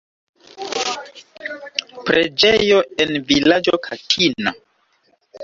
Preĝejo en vilaĝo Katina.